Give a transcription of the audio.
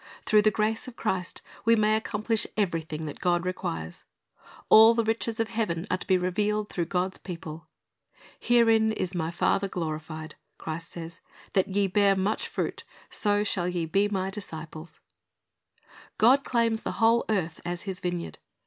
Through the grace of Christ we may accomplish everything that God requires. All the riches of heaven are to be revealed through God's people. "Herein is My Father glorified," Christ says, "that ye bear much fruit; so shall ye be My disciples."^ God claims the whole earth as His vineyard.